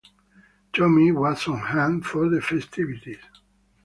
Tommy was on-hand for the festivities.